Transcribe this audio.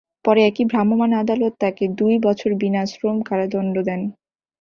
পরে একই ভ্রাম্যমাণ আদালত তাঁকে দুই বছর বিনা শ্রম কারাদণ্ড দেন।